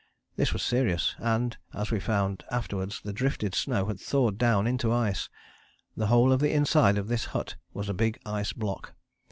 This was serious, and, as we found afterwards the drifted snow had thawed down into ice: the whole of the inside of this hut was a big ice block.